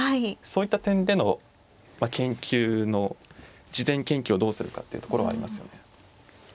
そういった点でのまあ研究の事前研究をどうするかっていうところはありますよね。